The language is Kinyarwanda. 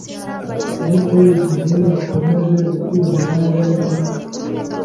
Ariko igihe bakomeje kugundira irari ry’umubiri